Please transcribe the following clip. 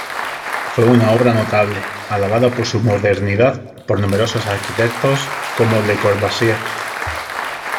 Fue una obra notable, alabada por su modernidad por numerosos arquitectos como Le Corbusier.